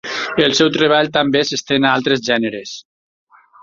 El seu treball també s'estén a altres gèneres.